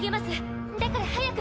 だから早く！